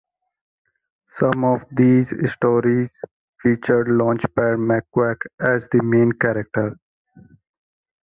Some of these stories featured Launchpad McQuack as the main character.